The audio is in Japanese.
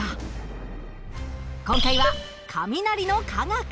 今回は「雷の科学」。